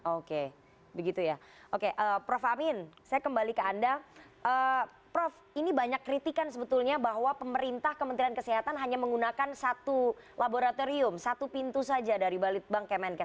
oke begitu ya oke prof amin saya kembali ke anda prof ini banyak kritikan sebetulnya bahwa pemerintah kementerian kesehatan hanya menggunakan satu laboratorium satu pintu saja dari balitbank kemenkes